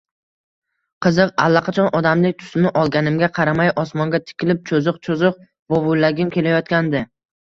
Qiziq! Allaqachon odamlik tusini olganimga qaramay, osmonga tikilib, cho‘ziq-cho‘ziq vovullagim kelayotgandi